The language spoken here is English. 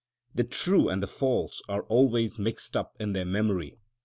The true and the false are always mixed up in their memory.